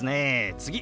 次！